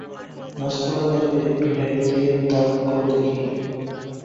গাছতলায় দাঁড়িয়ে একটু হ্যাঁক দিয়ে দাখ দেখি।